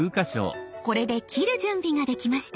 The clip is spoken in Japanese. これで切る準備ができました。